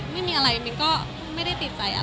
ไม่มีอะไรมิ้นก็ไม่ได้ติดใจอะไร